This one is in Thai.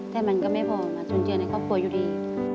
แต่มันก็ไม่พอมาจุนเจือในครอบครัวอยู่ดี